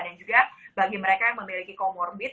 dan juga bagi mereka yang memiliki comorbid